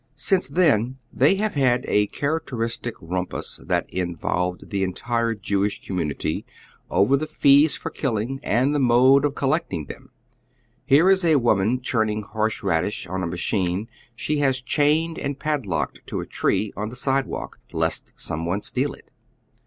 Since then oy Google 116 HOW THE Ol'HEli HALF LIVES. tliej have had a characteristic rnmpiis, that involved the entire Jewish eommunity, over the fees for killing and the mode of collecting them. Here is a woman cliiirning horse radish on a machine she has chained and padlocked to a tree on the sidewalk, lest someone steal it.